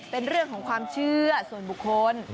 เป็นเรื่องของความเชื่อส่วนบุคคล